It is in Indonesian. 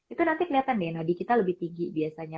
itu nanti kelihatan deh nodi kita lebih tinggi biasanya